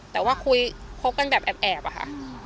แต่ว่าคุยคบกันแบบแอบอะค่ะ